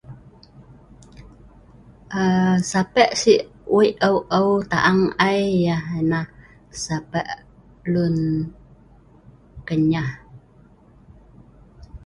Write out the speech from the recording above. Sape si wei aeu-aeu taang ai yah nah sape lun kenyah